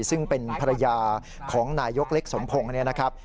ซึ่งเป็นภรรยาของนายยกเล็กสมพงศ์เนี่ยนะครับ